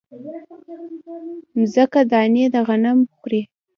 مځکه دانې د غنم خوري